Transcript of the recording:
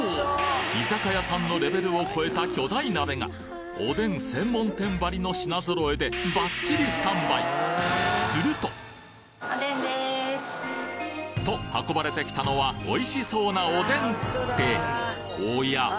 居酒屋さんのレベルを超えた巨大鍋がおでん専門店ばりの品揃えでバッチリスタンバイ！と運ばれてきたのはおいしそうなおでんっておや？